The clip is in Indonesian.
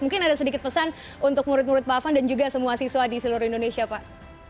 mungkin ada sedikit pesan untuk murid murid pak afan dan juga semua siswa di seluruh indonesia pak